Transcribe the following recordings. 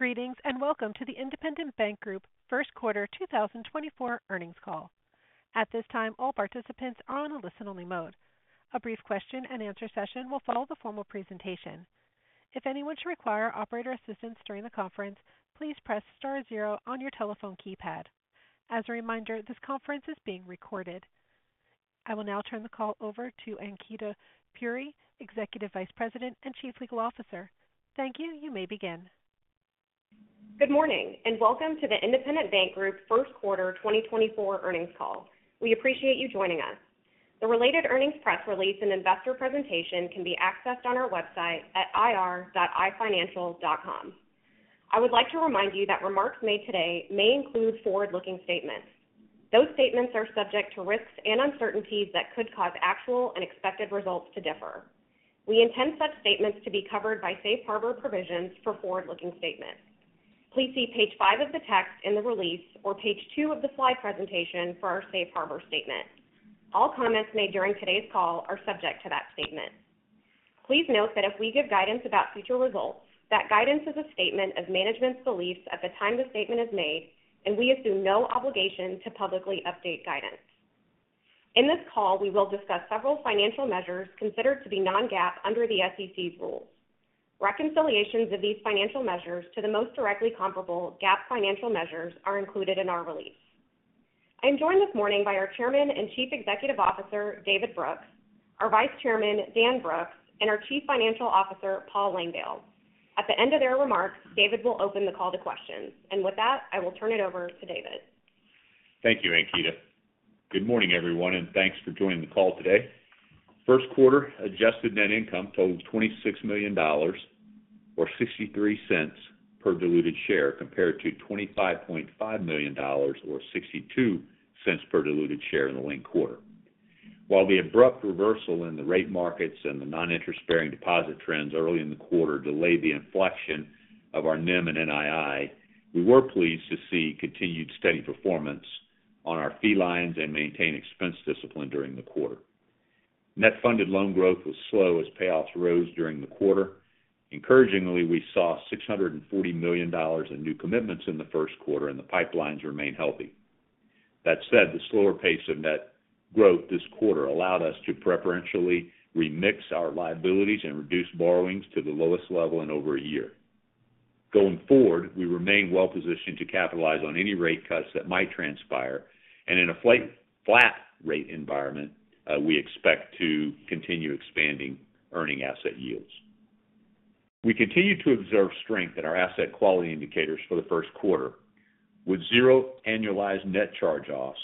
Greetings, and welcome to the Independent Bank Group first quarter 2024 earnings call. At this time, all participants are on a listen-only mode. A brief question-and-answer session will follow the formal presentation. If anyone should require operator assistance during the conference, please press star zero on your telephone keypad. As a reminder, this conference is being recorded. I will now turn the call over to Ankita Puri, Executive Vice President and Chief Legal Officer. Thank you. You may begin. Good morning, and welcome to the Independent Bank Group first quarter 2024 earnings call. We appreciate you joining us. The related earnings press release and investor presentation can be accessed on our website at ir.ifinancial.com. I would like to remind you that remarks made today may include forward-looking statements. Those statements are subject to risks and uncertainties that could cause actual and expected results to differ. We intend such statements to be covered by safe harbor provisions for forward-looking statements. Please see page 5 of the text in the release or page 2 of the slide presentation for our safe harbor statement. All comments made during today's call are subject to that statement. Please note that if we give guidance about future results, that guidance is a statement of management's beliefs at the time the statement is made, and we assume no obligation to publicly update guidance. In this call, we will discuss several financial measures considered to be non-GAAP under the SEC's rules. Reconciliations of these financial measures to the most directly comparable GAAP financial measures are included in our release. I'm joined this morning by our Chairman and Chief Executive Officer, David Brooks, our Vice Chairman, Dan Brooks, and our Chief Financial Officer, Paul Langdale. At the end of their remarks, David will open the call to questions. With that, I will turn it over to David. Thank you, Ankita. Good morning, everyone, and thanks for joining the call today. First quarter adjusted net income totaled $26 million or $0.63 per diluted share, compared to $25.5 million or $0.62 per diluted share in the linked quarter. While the abrupt reversal in the rate markets and the non-interest-bearing deposit trends early in the quarter delayed the inflection of our NIM and NII, we were pleased to see continued steady performance on our fee lines and maintain expense discipline during the quarter. Net funded loan growth was slow as payoffs rose during the quarter. Encouragingly, we saw $640 million in new commitments in the first quarter, and the pipelines remain healthy. That said, the slower pace of net growth this quarter allowed us to preferentially remix our liabilities and reduce borrowings to the lowest level in over a year. Going forward, we remain well positioned to capitalize on any rate cuts that might transpire, and in a flat rate environment, we expect to continue expanding earning asset yields. We continue to observe strength in our asset quality indicators for the first quarter, with zero annualized net charge-offs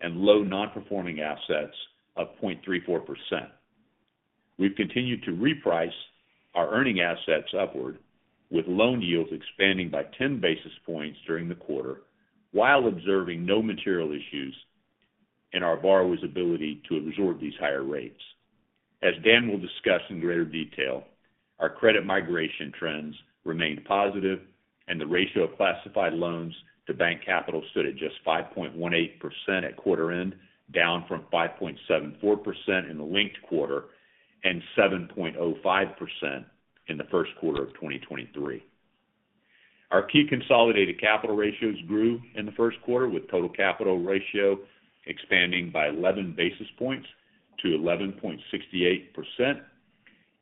and low non-performing assets of 0.34%. We've continued to reprice our earning assets upward, with loan yields expanding by 10 basis points during the quarter, while observing no material issues in our borrowers' ability to absorb these higher rates. As Dan will discuss in greater detail, our credit migration trends remained positive, and the ratio of classified loans to bank capital stood at just 5.18% at quarter end, down from 5.74% in the linked quarter and 7.05% in the first quarter of 2023. Our key consolidated capital ratios grew in the first quarter, with total capital ratio expanding by 11 basis points to 11.68%,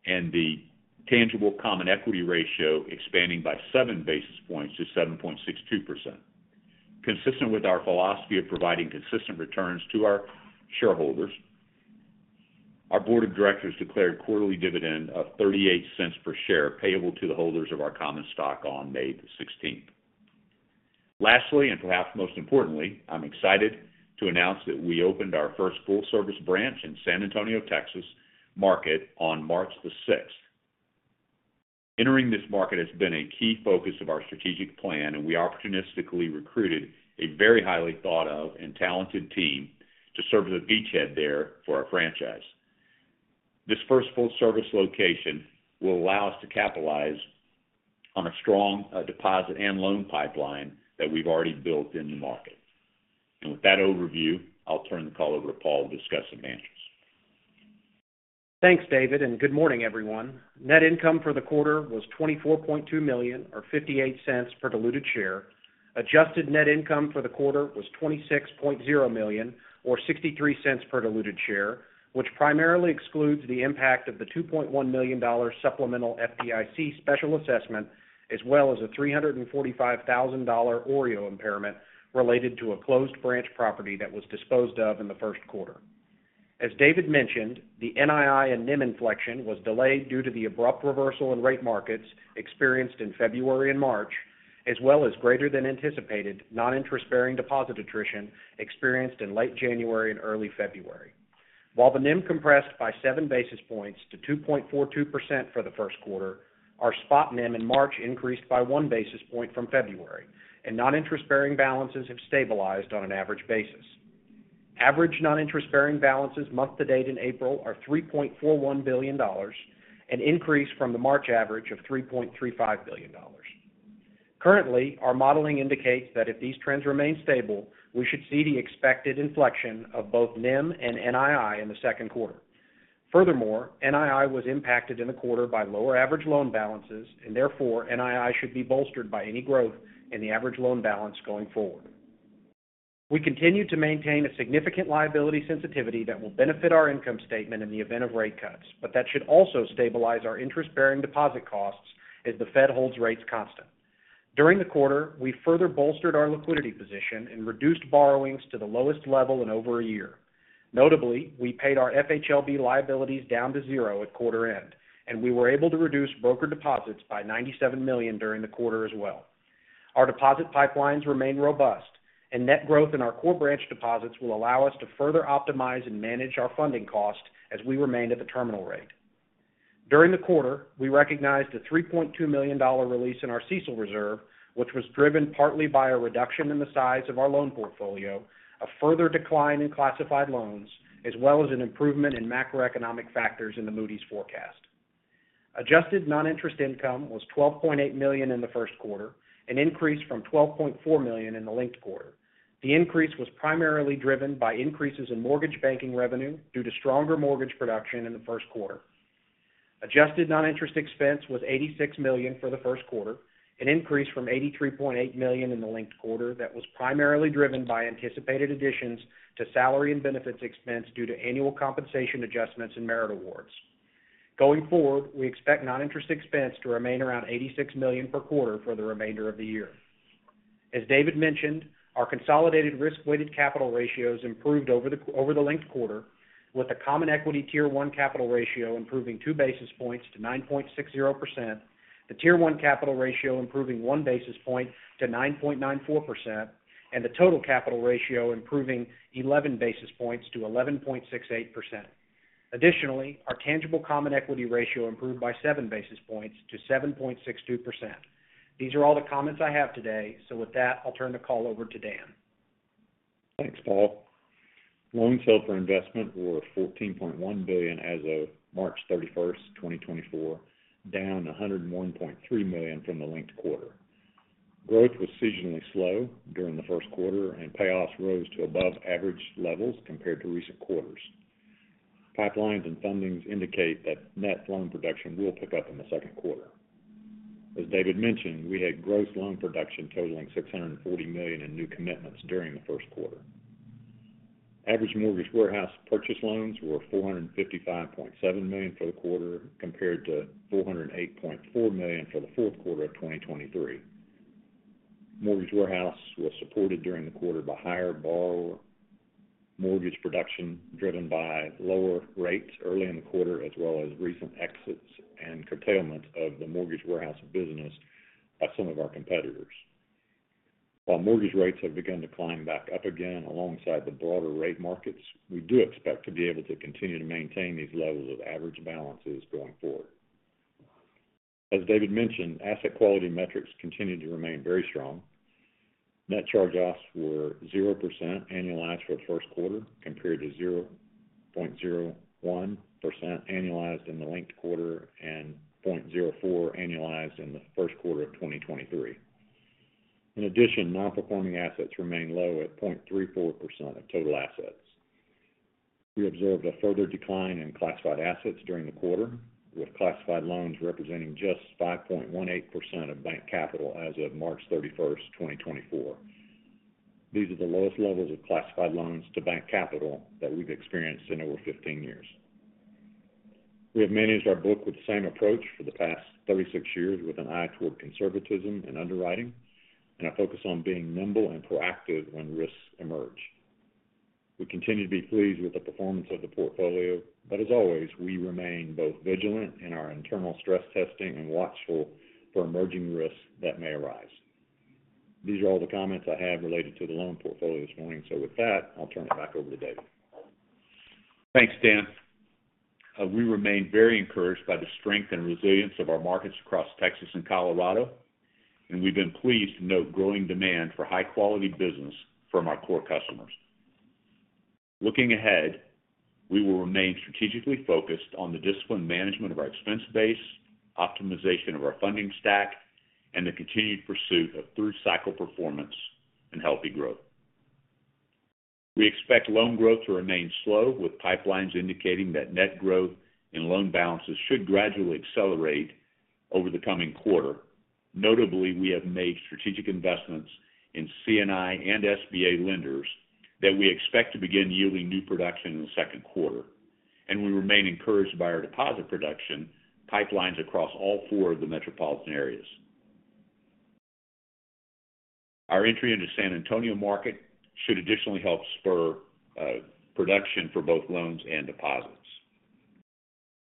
and the tangible common equity ratio expanding by 7 basis points to 7.62%. Consistent with our philosophy of providing consistent returns to our shareholders, our board of directors declared a quarterly dividend of $0.38 per share, payable to the holders of our common stock on May 16. Lastly, and perhaps most importantly, I'm excited to announce that we opened our first full-service branch in San Antonio, Texas market on March 6. Entering this market has been a key focus of our strategic plan, and we opportunistically recruited a very highly thought of and talented team to serve as a beachhead there for our franchise. This first full-service location will allow us to capitalize on a strong, deposit and loan pipeline that we've already built in the market. With that overview, I'll turn the call over to Paul to discuss some numbers. Thanks, David, and good morning, everyone. Net income for the quarter was $24.2 million or $0.58 per diluted share. Adjusted net income for the quarter was $26.0 million or $0.63 per diluted share, which primarily excludes the impact of the $2.1 million supplemental FDIC special assessment, as well as a $345,000 OREO impairment related to a closed branch property that was disposed of in the first quarter. As David mentioned, the NII and NIM inflection was delayed due to the abrupt reversal in rate markets experienced in February and March, as well as greater than anticipated non-interest-bearing deposit attrition experienced in late January and early February. While the NIM compressed by 7 basis points to 2.42% for the first quarter, our spot NIM in March increased by 1 basis point from February, and non-interest-bearing balances have stabilized on an average basis. Average non-interest-bearing balances month to date in April are $3.41 billion, an increase from the March average of $3.35 billion. Currently, our modeling indicates that if these trends remain stable, we should see the expected inflection of both NIM and NII in the second quarter. Furthermore, NII was impacted in the quarter by lower average loan balances, and therefore, NII should be bolstered by any growth in the average loan balance going forward. We continue to maintain a significant liability sensitivity that will benefit our income statement in the event of rate cuts, but that should also stabilize our interest-bearing deposit costs as the Fed holds rates constant. During the quarter, we further bolstered our liquidity position and reduced borrowings to the lowest level in over a year. Notably, we paid our FHLB liabilities down to zero at quarter end, and we were able to reduce broker deposits by $97 million during the quarter as well. Our deposit pipelines remain robust, and net growth in our core branch deposits will allow us to further optimize and manage our funding cost as we remain at the terminal rate. During the quarter, we recognized a $3.2 million release in our CECL reserve, which was driven partly by a reduction in the size of our loan portfolio, a further decline in classified loans, as well as an improvement in macroeconomic factors in the Moody's forecast. Adjusted non-interest income was $12.8 million in the first quarter, an increase from $12.4 million in the linked quarter. The increase was primarily driven by increases in mortgage banking revenue due to stronger mortgage production in the first quarter. Adjusted non-interest expense was $86 million for the first quarter, an increase from $83.8 million in the linked quarter that was primarily driven by anticipated additions to salary and benefits expense due to annual compensation adjustments and merit awards. Going forward, we expect non-interest expense to remain around $86 million per quarter for the remainder of the year. As David mentioned, our consolidated risk-weighted capital ratios improved over the linked quarter, with the common equity Tier One capital ratio improving 2 basis points to 9.60%, the Tier One capital ratio improving 1 basis point to 9.94%, and the total capital ratio improving 11 basis points to 11.68%. Additionally, our tangible common equity ratio improved by 7 basis points to 7.62%. These are all the comments I have today. So with that, I'll turn the call over to Dan. Thanks, Paul. Loans held for investment were $14.1 billion as of March 31, 2024, down $101.3 million from the linked quarter. Growth was seasonally slow during the first quarter, and payoffs rose to above average levels compared to recent quarters. Pipelines and fundings indicate that net loan production will pick up in the second quarter. As David mentioned, we had gross loan production totaling $640 million in new commitments during the first quarter. Average mortgage warehouse purchase loans were $455.7 million for the quarter, compared to $408.4 million for the fourth quarter of 2023. Mortgage Warehouse was supported during the quarter by higher borrower mortgage production, driven by lower rates early in the quarter, as well as recent exits and curtailment of the mortgage warehouse business by some of our competitors. While mortgage rates have begun to climb back up again alongside the broader rate markets, we do expect to be able to continue to maintain these levels of average balances going forward. As David mentioned, asset quality metrics continue to remain very strong. Net charge-offs were 0% annualized for the first quarter, compared to 0.01% annualized in the linked quarter and 0.04% annualized in the first quarter of 2023. In addition, non-performing assets remain low at 0.34% of total assets. We observed a further decline in classified assets during the quarter, with classified loans representing just 5.18% of bank capital as of March 31, 2024. These are the lowest levels of classified loans to bank capital that we've experienced in over 15 years. We have managed our book with the same approach for the past 36 years, with an eye toward conservatism and underwriting, and a focus on being nimble and proactive when risks emerge. We continue to be pleased with the performance of the portfolio, but as always, we remain both vigilant in our internal stress testing and watchful for emerging risks that may arise. These are all the comments I have related to the loan portfolio this morning. So with that, I'll turn it back over to David. Thanks, Dan. We remain very encouraged by the strength and resilience of our markets across Texas and Colorado, and we've been pleased to note growing demand for high-quality business from our core customers. Looking ahead, we will remain strategically focused on the disciplined management of our expense base, optimization of our funding stack, and the continued pursuit of through-cycle performance and healthy growth. We expect loan growth to remain slow, with pipelines indicating that net growth and loan balances should gradually accelerate over the coming quarter. Notably, we have made strategic investments in C&I and SBA lenders that we expect to begin yielding new production in the second quarter, and we remain encouraged by our deposit production pipelines across all four of the metropolitan areas. Our entry into the San Antonio market should additionally help spur production for both loans and deposits.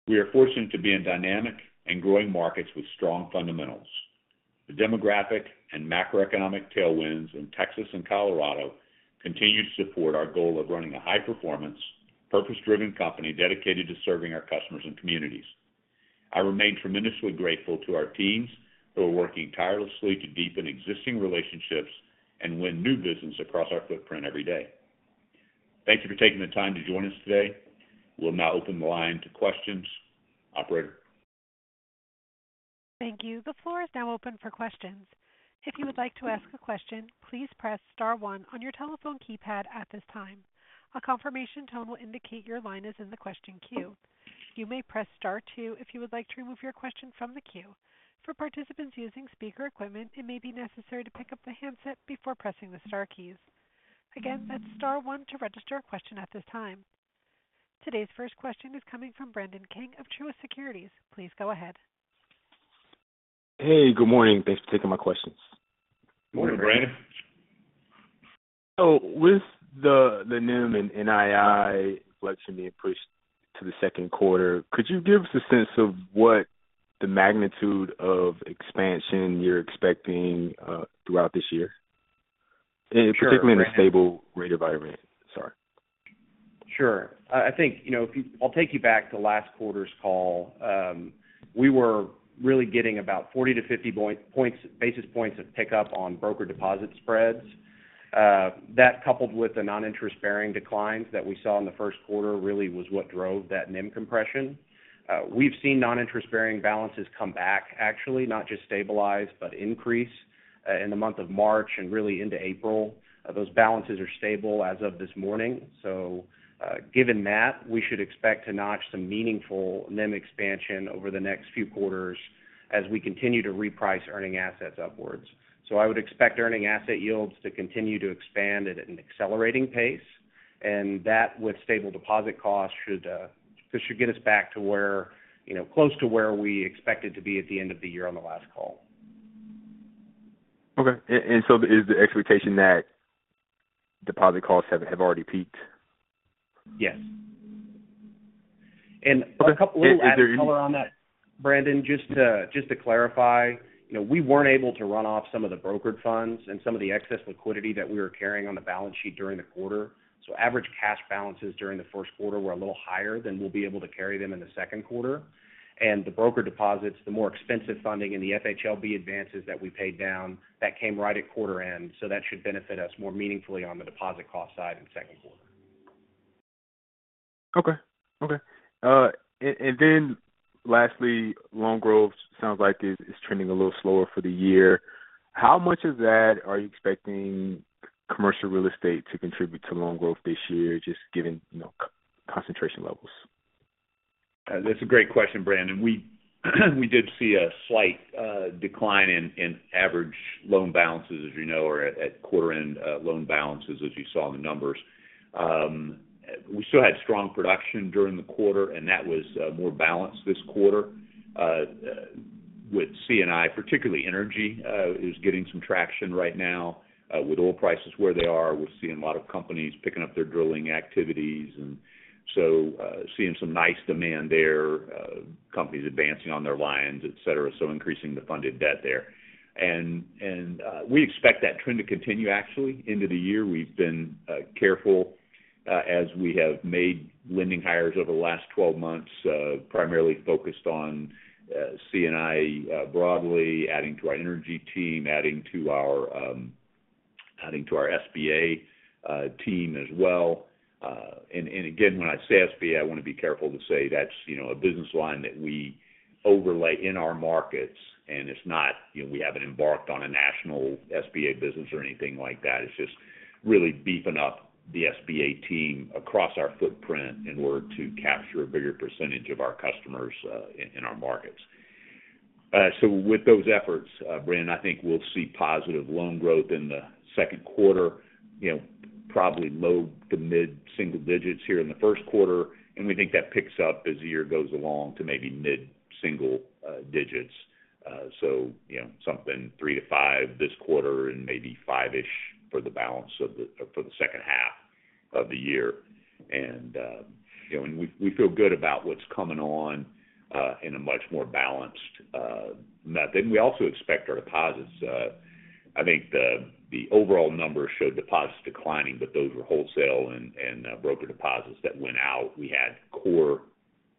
We are fortunate to be in dynamic and growing markets with strong fundamentals. The demographic and macroeconomic tailwinds in Texas and Colorado continue to support our goal of running a high-performance, purpose-driven company dedicated to serving our customers and communities. I remain tremendously grateful to our teams who are working tirelessly to deepen existing relationships and win new business across our footprint every day. Thank you for taking the time to join us today. We'll now open the line to questions. Operator?... Thank you. The floor is now open for questions. If you would like to ask a question, please press star one on your telephone keypad at this time. A confirmation tone will indicate your line is in the question queue. You may press star two if you would like to remove your question from the queue. For participants using speaker equipment, it may be necessary to pick up the handset before pressing the star keys. Again, that's star one to register a question at this time. Today's first question is coming from Brandon King of Truist Securities. Please go ahead. Hey, good morning. Thanks for taking my questions. Good morning, Brandon. So with the NIM and NII inflection being pushed to the second quarter, could you give us a sense of what the magnitude of expansion you're expecting throughout this year? Sure. Particularly in a stable rate environment? Sorry. Sure. I think, you know, if you, I'll take you back to last quarter's call. We were really getting about 40-50 basis points of pickup on broker deposit spreads. That coupled with the non-interest-bearing declines that we saw in the first quarter really was what drove that NIM compression. We've seen non-interest-bearing balances come back, actually, not just stabilize, but increase in the month of March and really into April. Those balances are stable as of this morning. So, given that, we should expect to notch some meaningful NIM expansion over the next few quarters as we continue to reprice earning assets upwards. So I would expect earning asset yields to continue to expand at an accelerating pace, and that with stable deposit costs, this should get us back to where, you know, close to where we expected to be at the end of the year on the last call. Okay. And so is the expectation that deposit costs have already peaked? Yes. A couple little added color on that, Brandon, just to clarify, you know, we weren't able to run off some of the brokered funds and some of the excess liquidity that we were carrying on the balance sheet during the quarter. So average cash balances during the first quarter were a little higher than we'll be able to carry them in the second quarter. And the brokered deposits, the more expensive funding, and the FHLB advances that we paid down came right at quarter end. So that should benefit us more meaningfully on the deposit cost side in the second quarter. Okay. Okay. And then lastly, loan growth sounds like it is trending a little slower for the year. How much of that are you expecting commercial real estate to contribute to loan growth this year, just given, you know, concentration levels? That's a great question, Brandon. We did see a slight decline in average loan balances, as you know, or at quarter end, loan balances, as you saw in the numbers. We still had strong production during the quarter, and that was more balanced this quarter. With C&I, particularly energy, is getting some traction right now. With oil prices where they are, we're seeing a lot of companies picking up their drilling activities, and so, seeing some nice demand there, companies advancing on their lines, et cetera, so increasing the funded debt there. We expect that trend to continue, actually, into the year. We've been careful as we have made lending hires over the last 12 months, primarily focused on C&I broadly, adding to our energy team, adding to our SBA team as well. And again, when I say SBA, I want to be careful to say that's, you know, a business line that we overlay in our markets, and it's not, you know, we haven't embarked on a national SBA business or anything like that. It's just really beefing up the SBA team across our footprint in order to capture a bigger percentage of our customers in our markets. So with those efforts, Brandon, I think we'll see positive loan growth in the second quarter, you know, probably low- to mid-single digits here in the first quarter, and we think that picks up as the year goes along to maybe mid-single digits. So, you know, something 3-5 this quarter and maybe 5-ish for the balance of the, for the second half of the year. And, you know, and we feel good about what's coming on, in a much more balanced, method. And we also expect our deposits, I think the overall numbers showed deposits declining, but those were wholesale and broker deposits that went out. We had core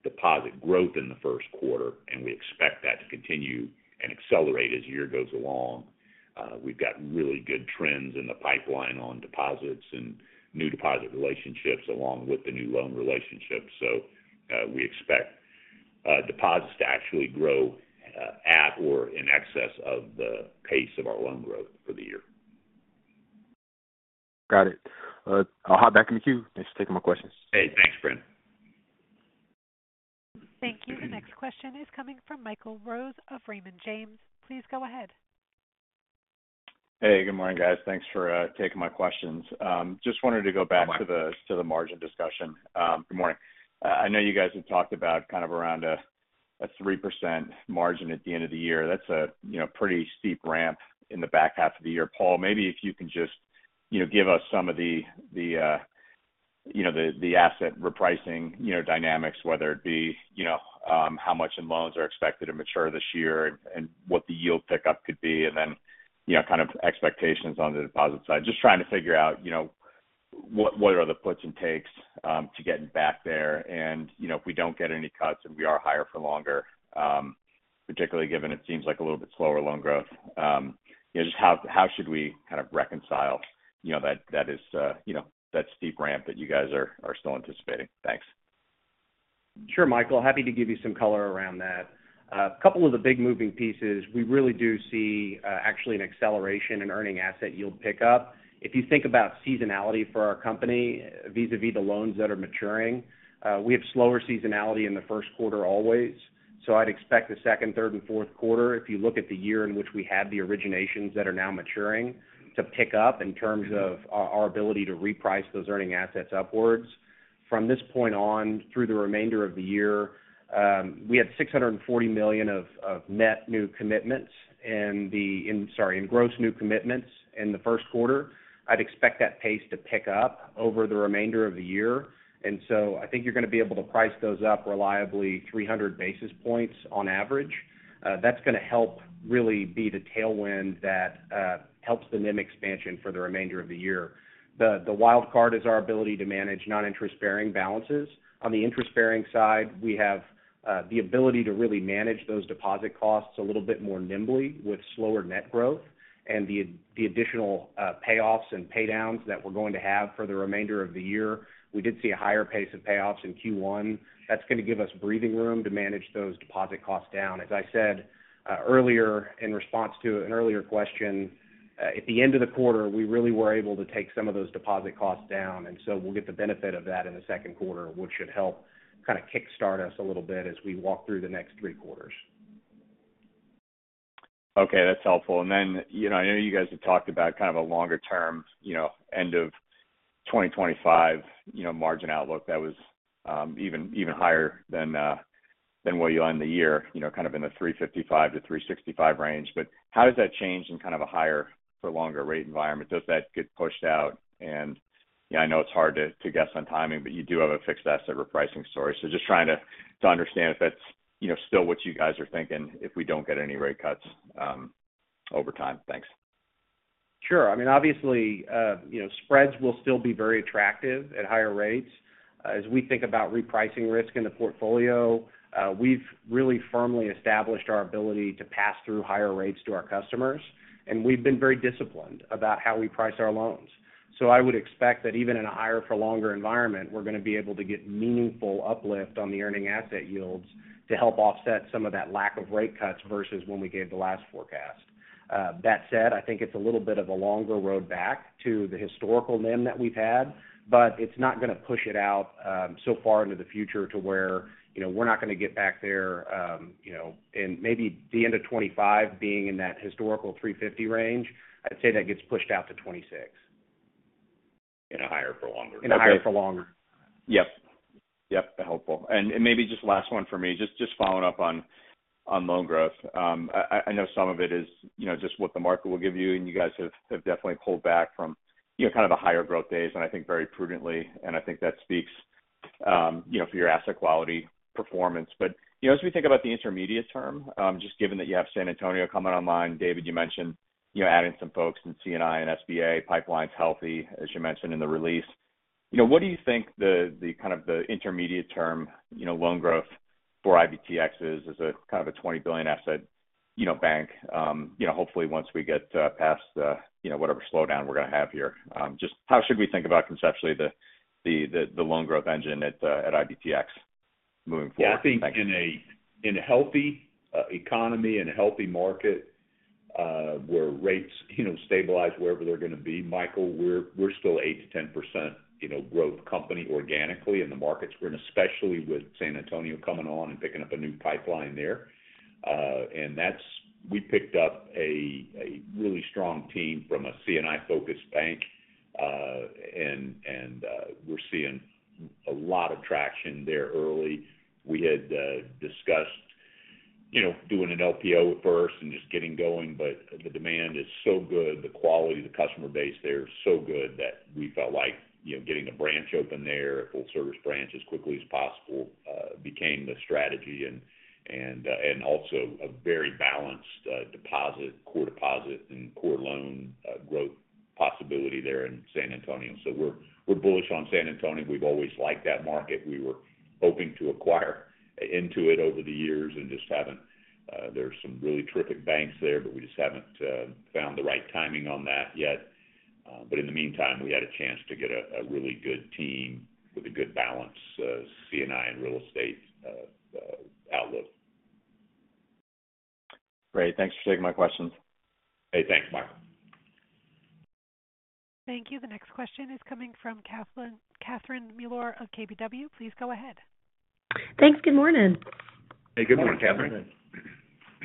deposit growth in the first quarter, and we expect that to continue and accelerate as the year goes along. We've got really good trends in the pipeline on deposits and new deposit relationships, along with the new loan relationships. So, we expect, deposits to actually grow, at or in excess of the pace of our loan growth for the year. Got it. I'll hop back in the queue. Thanks for taking my questions. Hey, thanks, Brandon. Thank you. The next question is coming from Michael Rose of Raymond James. Please go ahead. Hey, good morning, guys. Thanks for taking my questions. Just wanted to go back to the- Good morning. - to the margin discussion. Good morning. I know you guys have talked about kind of around a 3% margin at the end of the year. That's you know, pretty steep ramp in the back half of the year. Paul, maybe if you can just, you know, give us some of the, the, you know, the asset repricing, you know, dynamics, whether it be, you know, how much in loans are expected to mature this year and what the yield pickup could be, and then, you know, kind of expectations on the deposit side. Just trying to figure out, you know, what are the puts and takes to getting back there. You know, if we don't get any cuts and we are higher for longer, particularly given it seems like a little bit slower loan growth, you know, just how should we kind of reconcile, you know, that is, you know, that steep ramp that you guys are still anticipating? Thanks.... Sure, Michael, happy to give you some color around that. A couple of the big moving pieces, we really do see, actually an acceleration in earning asset yield pickup. If you think about seasonality for our company, vis-a-vis the loans that are maturing, we have slower seasonality in the first quarter always. So I'd expect the second, third, and fourth quarter, if you look at the year in which we had the originations that are now maturing, to pick up in terms of our ability to reprice those earning assets upwards. From this point on, through the remainder of the year, we had $640 million of net new commitments in, sorry, in gross new commitments in the first quarter. I'd expect that pace to pick up over the remainder of the year. And so I think you're going to be able to price those up reliably 300 basis points on average. That's going to help really be the tailwind that helps the NIM expansion for the remainder of the year. The wild card is our ability to manage non-interest-bearing balances. On the interest-bearing side, we have the ability to really manage those deposit costs a little bit more nimbly with slower net growth and the additional payoffs and pay downs that we're going to have for the remainder of the year. We did see a higher pace of payoffs in Q1. That's going to give us breathing room to manage those deposit costs down. As I said, earlier in response to an earlier question, at the end of the quarter, we really were able to take some of those deposit costs down, and so we'll get the benefit of that in the second quarter, which should help kind of kickstart us a little bit as we walk through the next three quarters. Okay, that's helpful. And then, you know, I know you guys have talked about kind of a longer term, you know, end of 2025, you know, margin outlook that was, even, even higher than, than where you are in the year, you know, kind of in the 355-365 range. But how does that change in kind of a higher for longer rate environment? Does that get pushed out? And, yeah, I know it's hard to, to guess on timing, but you do have a fixed asset repricing story. So just trying to, to understand if that's, you know, still what you guys are thinking, if we don't get any rate cuts, over time. Thanks. Sure. I mean, obviously, you know, spreads will still be very attractive at higher rates. As we think about repricing risk in the portfolio, we've really firmly established our ability to pass through higher rates to our customers, and we've been very disciplined about how we price our loans. So I would expect that even in a higher for longer environment, we're going to be able to get meaningful uplift on the earning asset yields to help offset some of that lack of rate cuts versus when we gave the last forecast. That said, I think it's a little bit of a longer road back to the historical NIM that we've had, but it's not going to push it out so far into the future to where, you know, we're not going to get back there, you know, in maybe the end of 2025 being in that historical 3.50 range. I'd say that gets pushed out to 2026. In a higher for longer. In a higher for longer. Yep. Yep, helpful. And maybe just last one for me, just following up on loan growth. I know some of it is, you know, just what the market will give you, and you guys have definitely pulled back from, you know, kind of a higher growth days, and I think very prudently, and I think that speaks, you know, for your asset quality performance. But, you know, as we think about the intermediate term, just given that you have San Antonio coming online, David, you mentioned, you know, adding some folks in C&I and SBA, pipeline's healthy, as you mentioned in the release. You know, what do you think the kind of the intermediate term, you know, loan growth for IBTX is, as a kind of a $20 billion asset, you know, bank? You know, hopefully, once we get past the, you know, whatever slowdown we're going to have here, just how should we think about conceptually the loan growth engine at IBTX moving forward? Yeah, I think in a healthy economy and a healthy market, where rates, you know, stabilize wherever they're going to be, Michael, we're still 8%-10%, you know, growth company organically in the markets. We're especially with San Antonio coming on and picking up a new pipeline there. We picked up a really strong team from a C&I-focused bank, and we're seeing a lot of traction there early. We had discussed, you know, doing an LPO at first and just getting going, but the demand is so good, the quality of the customer base there is so good that we felt like, you know, getting the branch open there, full service branch, as quickly as possible, became the strategy and also a very balanced deposit, core deposit and core loan growth possibility there in San Antonio. So we're bullish on San Antonio. We've always liked that market. We were hoping to acquire into it over the years and just haven't. There's some really terrific banks there, but we just haven't found the right timing on that yet. But in the meantime, we had a chance to get a really good team with a good balance C&I and real estate outlook. Great. Thanks for taking my questions. Hey, thanks, Michael. Thank you. The next question is coming from Catherine Mealor of KBW. Please go ahead. Thanks. Good morning. Hey, good morning, Catherine. Good morning.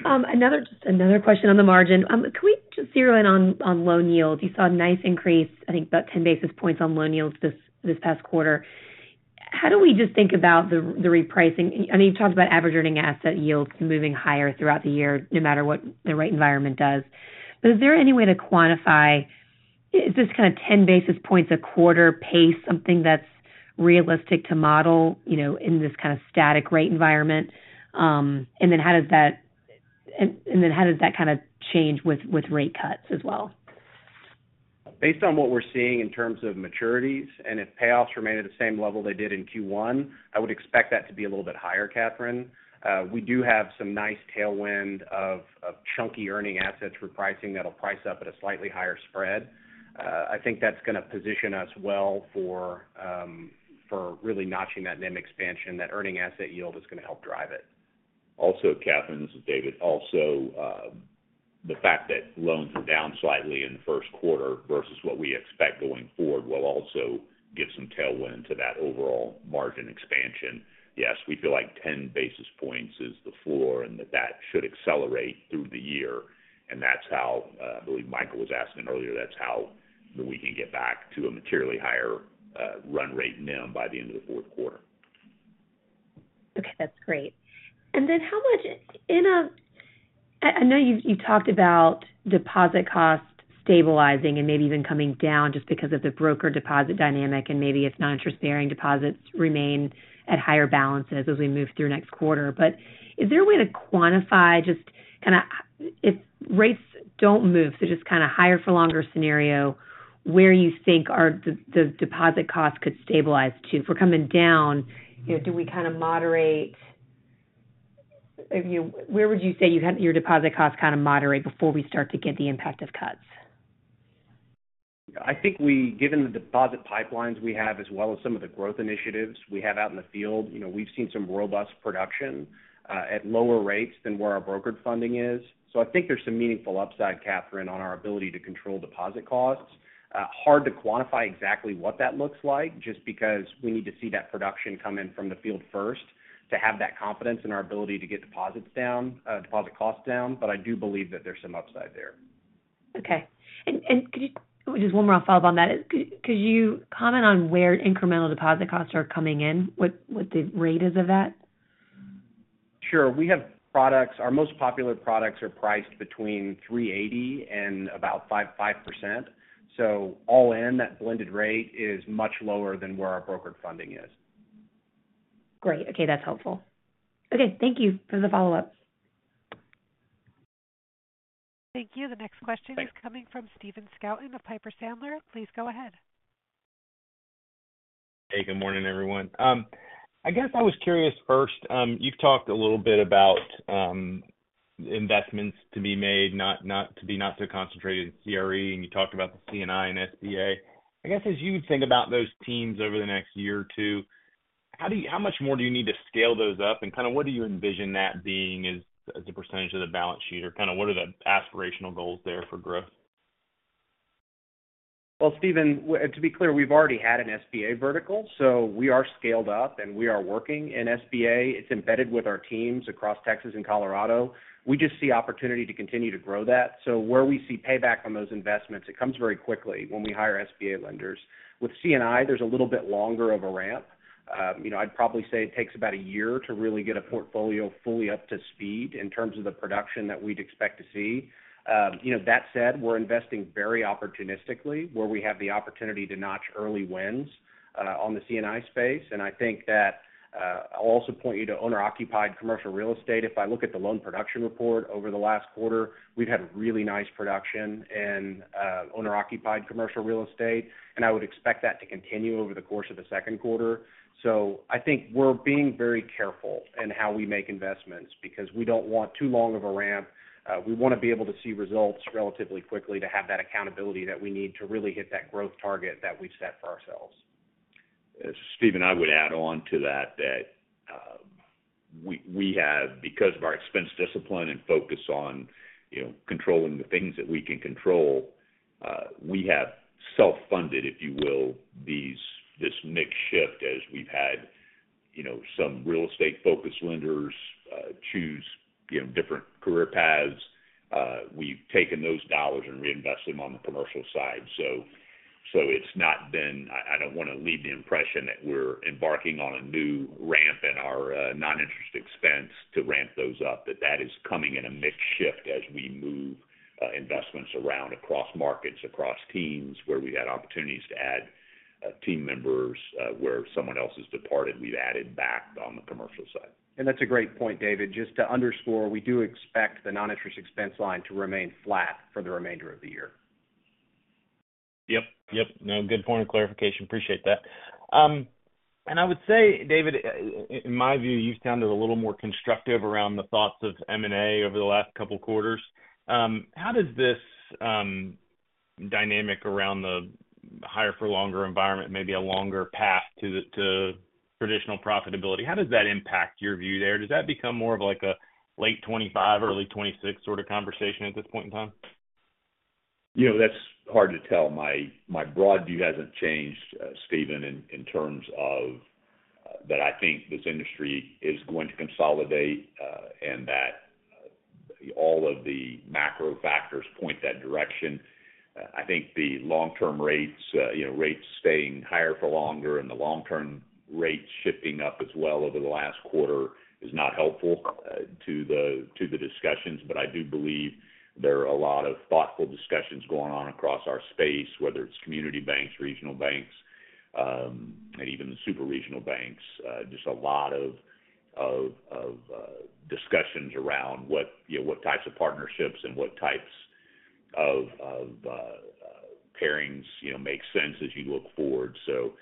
Another, just another question on the margin. Can we just zero in on, on loan yields? You saw a nice increase, I think about 10 basis points on loan yields this, this past quarter. How do we just think about the, the repricing? I know you've talked about average earning asset yields moving higher throughout the year, no matter what the rate environment does. But is there any way to quantify, is this kind of 10 basis points a quarter pace, something that's realistic to model, you know, in this kind of static rate environment? And then how does that, and, and then how does that kind of change with, with rate cuts as well? Based on what we're seeing in terms of maturities, and if payoffs remain at the same level they did in Q1, I would expect that to be a little bit higher, Catherine. We do have some nice tailwind of chunky earning assets repricing that'll price up at a slightly higher spread. I think that's going to position us well for really notching that NIM expansion, that earning asset yield is going to help drive it. ... Also, Catherine, this is David. Also, the fact that loans are down slightly in the first quarter versus what we expect going forward, will also give some tailwind to that overall margin expansion. Yes, we feel like ten basis points is the floor, and that that should accelerate through the year. And that's how, I believe Michael was asking earlier, that's how we can get back to a materially higher, run rate NIM by the end of the fourth quarter. Okay, that's great. And then how much—I know you talked about deposit costs stabilizing and maybe even coming down just because of the broker deposit dynamic, and maybe if non-interest-bearing deposits remain at higher balances as we move through next quarter. But is there a way to quantify just kind of, if rates don't move, so just kind of higher for longer scenario, where you think the deposit costs could stabilize to? If we're coming down, you know, do we kind of moderate? You know, where would you say you have your deposit costs kind of moderate before we start to get the impact of cuts? I think given the deposit pipelines we have, as well as some of the growth initiatives we have out in the field, you know, we've seen some robust production at lower rates than where our brokered funding is. So I think there's some meaningful upside, Catherine, on our ability to control deposit costs. Hard to quantify exactly what that looks like, just because we need to see that production come in from the field first to have that confidence in our ability to get deposits down, deposit costs down. But I do believe that there's some upside there. Okay. And could you just one more follow-up on that. Could you comment on where incremental deposit costs are coming in? What the rate is of that? Sure. We have products. Our most popular products are priced between 3.80% and about 5.5%. So all in, that blended rate is much lower than where our brokered funding is. Great. Okay, that's helpful. Okay, thank you. For the follow-up. Thank you. The next question- Thanks. - is coming from Stephen Scouten of Piper Sandler. Please go ahead. Hey, good morning, everyone. I guess I was curious first, you've talked a little bit about investments to be made, not to be so concentrated in CRE, and you talked about the C&I and SBA. I guess, as you think about those teams over the next year or two, how do you—how much more do you need to scale those up? And kind of what do you envision that being as a percentage of the balance sheet, or kind of what are the aspirational goals there for growth? Well, Stephen, to be clear, we've already had an SBA vertical, so we are scaled up and we are working in SBA. It's embedded with our teams across Texas and Colorado. We just see opportunity to continue to grow that. So where we see payback on those investments, it comes very quickly when we hire SBA lenders. With C&I, there's a little bit longer of a ramp. You know, I'd probably say it takes about a year to really get a portfolio fully up to speed in terms of the production that we'd expect to see. You know, that said, we're investing very opportunistically where we have the opportunity to notch early wins on the C&I space. And I think that, I'll also point you to owner-occupied commercial real estate. If I look at the loan production report over the last quarter, we've had really nice production in owner-occupied commercial real estate, and I would expect that to continue over the course of the second quarter. So I think we're being very careful in how we make investments, because we don't want too long of a ramp. We want to be able to see results relatively quickly to have that accountability that we need to really hit that growth target that we've set for ourselves. Stephen, I would add on to that that we have, because of our expense discipline and focus on, you know, controlling the things that we can control, we have self-funded, if you will, this mix shift as we've had, you know, some real estate-focused lenders choose, you know, different career paths. We've taken those dollars and reinvested them on the commercial side. It's not. I don't want to leave the impression that we're embarking on a new ramp in our noninterest expense to ramp those up. That is coming in a mix shift as we move investments around across markets, across teams, where we've had opportunities to add team members, where someone else has departed, we've added back on the commercial side. That's a great point, David. Just to underscore, we do expect the non-interest expense line to remain flat for the remainder of the year. Yep, yep. No, good point of clarification. Appreciate that. And I would say, David, in my view, you've sounded a little more constructive around the thoughts of M&A over the last couple of quarters. How does this dynamic around the higher for longer environment, maybe a longer path to the traditional profitability, how does that impact your view there? Does that become more of like a late 2025, early 2026 sort of conversation at this point in time? You know, that's hard to tell. My broad view hasn't changed, Stephen, in terms of that I think this industry is going to consolidate, and that all of the macro factors point that direction. I think the long-term rates, you know, rates staying higher for longer and the long-term rates shifting up as well over the last quarter is not helpful to the discussions. But I do believe there are a lot of thoughtful discussions going on across our space, whether it's community banks, regional banks, and even the super-regional banks. Just a lot of discussions around what, you know, what types of partnerships and what types of pairings, you know, make sense as you look forward. So,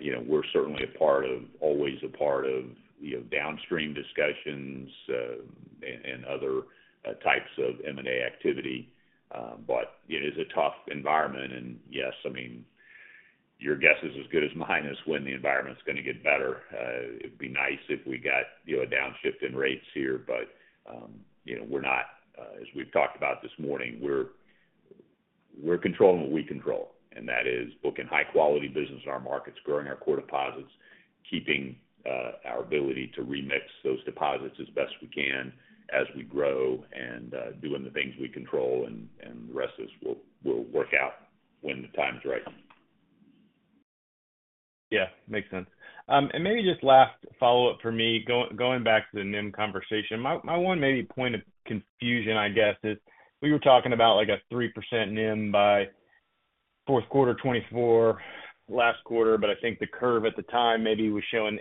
you know, we're certainly a part of—always a part of, you know, downstream discussions, and other types of M&A activity. But it is a tough environment, and yes, I mean, your guess is as good as mine as when the environment is going to get better. It'd be nice if we got, you know, a downshift in rates here, but, you know, we're not, as we've talked about this morning, we're controlling what we control, and that is booking high-quality business in our markets, growing our core deposits, keeping our ability to remix those deposits as best we can as we grow and, doing the things we control, and the rest of this will work out when the time is right. Yeah, makes sense. And maybe just last follow-up for me, going back to the NIM conversation. My one maybe point of confusion, I guess, is we were talking about like a 3% NIM by fourth quarter 2024 last quarter, but I think the curve at the time maybe was showing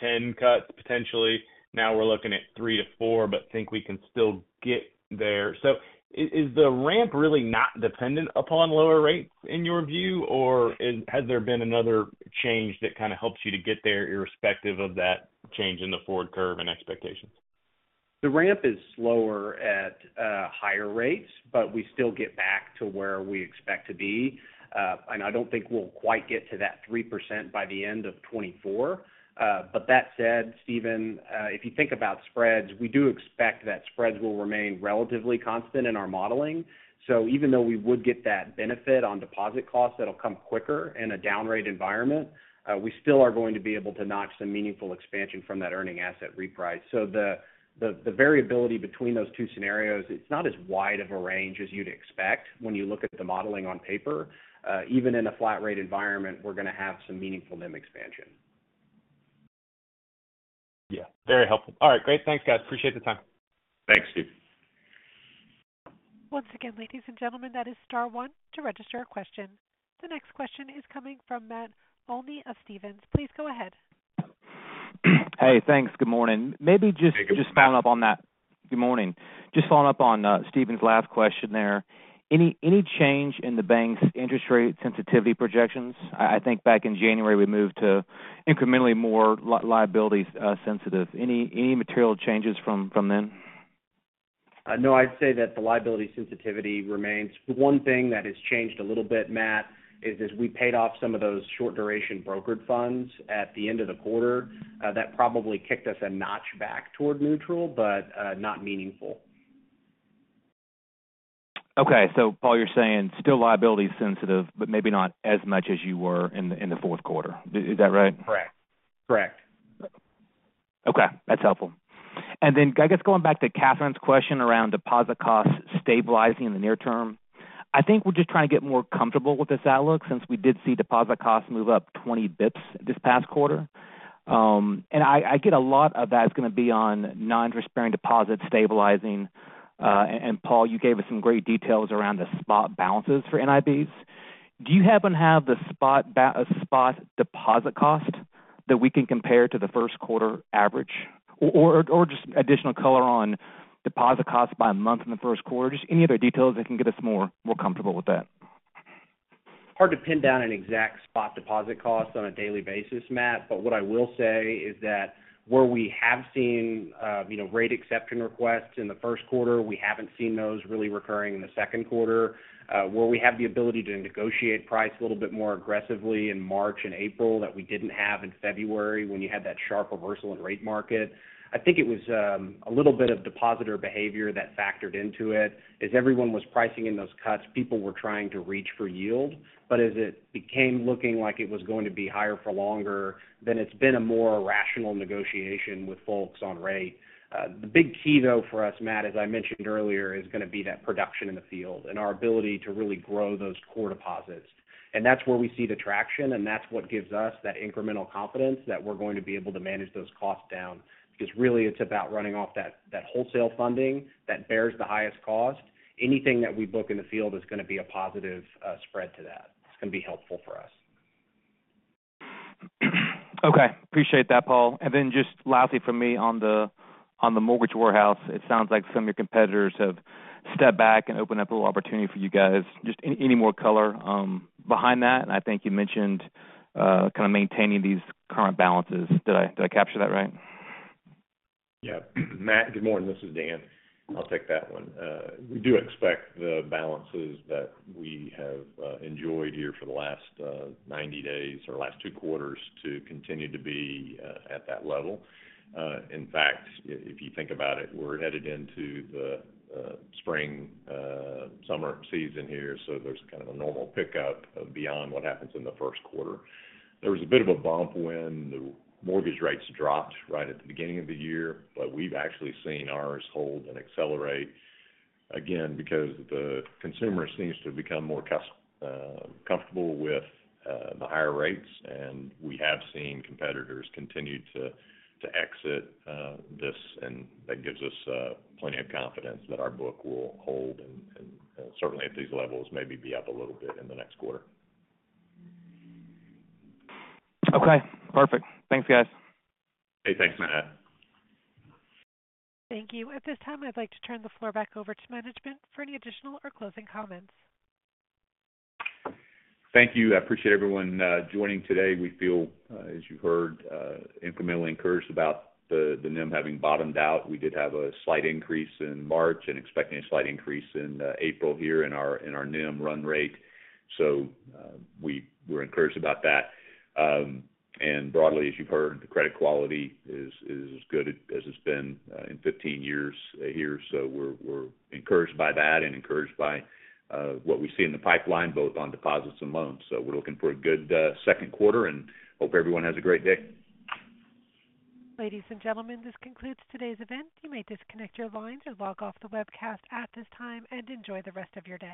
8-10 cuts, potentially. Now we're looking at 3-4, but think we can still get there. So is the ramp really not dependent upon lower rates in your view, or has there been another change that kind of helps you to get there, irrespective of that change in the forward curve and expectations? The ramp is slower at higher rates, but we still get back to where we expect to be. And I don't think we'll quite get to that 3% by the end of 2024. But that said, Steven, if you think about spreads, we do expect that spreads will remain relatively constant in our modeling. So even though we would get that benefit on deposit costs, that'll come quicker in a down rate environment, we still are going to be able to notch some meaningful expansion from that earning asset reprice. So the variability between those two scenarios, it's not as wide of a range as you'd expect when you look at the modeling on paper. Even in a flat rate environment, we're going to have some meaningful NIM expansion. Yeah, very helpful. All right, great. Thanks, guys. Appreciate the time. Thanks, Steve. Once again, ladies and gentlemen, that is star one to register a question. The next question is coming from Matt Olney of Stephens. Please go ahead. Hey, thanks. Good morning. Hey, good morning. Maybe just follow up on that. Good morning. Just following up on Steven's last question there. Any change in the bank's interest rate sensitivity projections? I think back in January, we moved to incrementally more liability sensitive. Any material changes from then? No, I'd say that the liability sensitivity remains. One thing that has changed a little bit, Matt, is as we paid off some of those short-duration brokered funds at the end of the quarter, that probably kicked us a notch back toward neutral, but, not meaningful. Okay. So Paul, you're saying still liability sensitive, but maybe not as much as you were in the fourth quarter. Is that right? Correct. Correct. Okay, that's helpful. And then, I guess going back to Catherine's question around deposit costs stabilizing in the near term, I think we're just trying to get more comfortable with this outlook, since we did see deposit costs move up 20 basis points this past quarter. And I get a lot of that is going to be on non-interest-bearing deposits stabilizing. And, Paul, you gave us some great details around the spot balances for NIBs. Do you happen to have the spot deposit cost that we can compare to the first quarter average? Or just additional color on deposit costs by month in the first quarter. Just any other details that can get us more comfortable with that. Hard to pin down an exact spot deposit cost on a daily basis, Matt, but what I will say is that where we have seen, you know, rate acceptance requests in the first quarter, we haven't seen those really recurring in the second quarter. Where we have the ability to negotiate price a little bit more aggressively in March and April, that we didn't have in February, when you had that sharp reversal in rate market. I think it was a little bit of depositor behavior that factored into it. As everyone was pricing in those cuts, people were trying to reach for yield, but as it became looking like it was going to be higher for longer, then it's been a more rational negotiation with folks on rate. The big key, though, for us, Matt, as I mentioned earlier, is going to be that production in the field and our ability to really grow those core deposits. And that's where we see the traction, and that's what gives us that incremental confidence that we're going to be able to manage those costs down. Because really, it's about running off that wholesale funding that bears the highest cost. Anything that we book in the field is going to be a positive spread to that. It's going to be helpful for us. Okay. Appreciate that, Paul. And then just lastly for me on the mortgage warehouse, it sounds like some of your competitors have stepped back and opened up a little opportunity for you guys. Just any more color behind that? I think you mentioned kind of maintaining these current balances. Did I capture that right? Yeah. Matt, good morning. This is Dan. I'll take that one. We do expect the balances that we have enjoyed here for the last 90 days or last two quarters to continue to be at that level. In fact, if you think about it, we're headed into the spring summer season here, so there's kind of a normal pickup beyond what happens in the first quarter. There was a bit of a bump when the mortgage rates dropped right at the beginning of the year, but we've actually seen ours hold and accelerate, again, because the consumer seems to become more comfortable with the higher rates. We have seen competitors continue to exit this, and that gives us plenty of confidence that our book will hold and certainly at these levels, maybe be up a little bit in the next quarter. Okay, perfect. Thanks, guys. Hey, thanks, Matt. Thank you. At this time, I'd like to turn the floor back over to management for any additional or closing comments. Thank you. I appreciate everyone joining today. We feel, as you heard, incrementally encouraged about the NIM having bottomed out. We did have a slight increase in March and expecting a slight increase in April here in our NIM run rate, so we're encouraged about that. Broadly, as you've heard, the credit quality is as good as it's been in 15 years here. So we're encouraged by that and encouraged by what we see in the pipeline, both on deposits and loans. So we're looking for a good second quarter and hope everyone has a great day. Ladies and gentlemen, this concludes today's event. You may disconnect your lines and log off the webcast at this time, and enjoy the rest of your day.